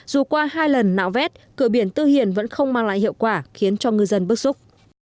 dù qua hai lần nạo vét cửa biển tư hiền vẫn không mang lại hiệu quả khiến cho ngư dân bức xúc